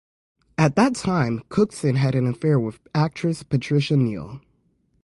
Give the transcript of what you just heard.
At that time, Cookson had an affair with actress Patricia Neal.